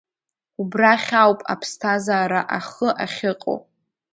Убрахь ауп аԥсҭазаара ахы ахьыҟоу.